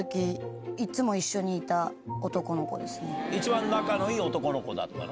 一番仲のいい男の子だったの？